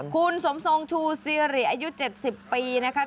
คุณสมทรงชูซีรีอายุ๗๐ปีนะคะ